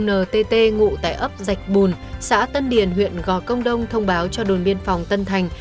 ntt ngụ tại ấp dạch bùn xã tân điền huyện gò công đông thông báo cho đồn biên phòng tân thành